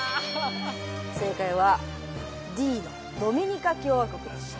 正解はＤのドミニカ共和国でした。